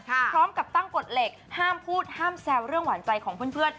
พร้อมกับตั้งกฎเหล็กห้ามพูดห้ามแซวเรื่องหวานใจของเพื่อน